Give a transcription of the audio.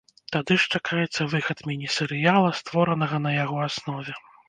Тады ж чакаецца выхад міні-серыяла, створанага на яго аснове.